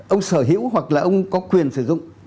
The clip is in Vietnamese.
ông sở hữu hoặc là ông có quyền sử dụng